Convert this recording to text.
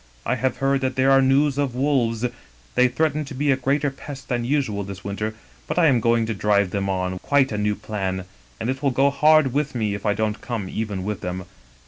I have heard that there are news of wolves — they threaten to be a greater pest than usual this winter, but I am going to drive them on quite a new plan, and it will go hard with me if I don't come even with them.